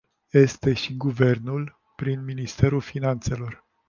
Este și Guvernul, prin Ministerul Finanțelor.